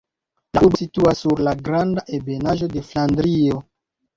La urbo situas sur la granda ebenaĵo de Flandrio.